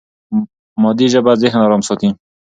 مادي ژبه ذهن ارام ساتي.